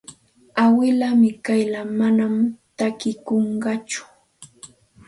Awilaa Mikayla manam takikunqatsu.